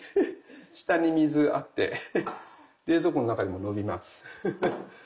下に水あって冷蔵庫の中でものびます。